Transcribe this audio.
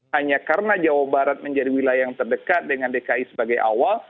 hanya karena jawa barat menjadi wilayah yang terdekat dengan dki sebagai awal